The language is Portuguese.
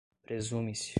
presume-se